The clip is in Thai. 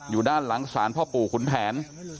อยู่ด้านหลังศาลพ่อปู่ขุนแผน